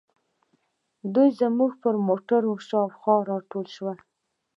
دوی زموږ پر موټرو شاوخوا راټول شول.